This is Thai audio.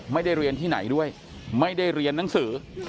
ไม่ได้เรียนที่ไหนด้วยไม่ได้เรียนหนังสือ